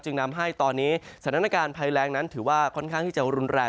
นำให้ตอนนี้สถานการณ์ภัยแรงนั้นถือว่าค่อนข้างที่จะรุนแรง